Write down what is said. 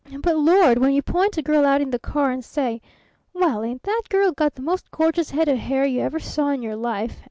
But, Lord! when you point a girl out in the car and say, 'Well, ain't that girl got the most gorgeous head of hair you ever saw in your life?'